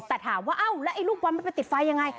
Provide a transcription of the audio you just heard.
แต่ถามว่าแล้วลูกบอลมันไปติดไฟยังไง